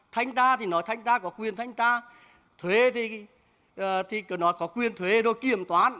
thanh ta thì nói thanh ta có quyền thanh ta thuê thì nói có quyền thuê rồi kiểm toán